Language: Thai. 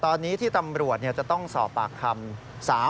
ตอนนี้ที่ตำรวจจะต้องสอบปากคำ